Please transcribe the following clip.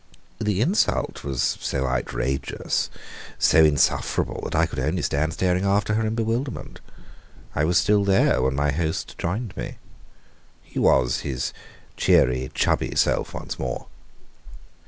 The insult was so outrageous, so insufferable, that I could only stand staring after her in bewilderment. I was still there when my host joined me. He was his cheery, chubby self once more.